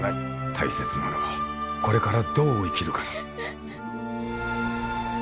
大切なのはこれからどう生きるかだ。